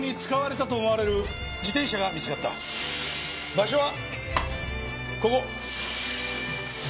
場所はここ。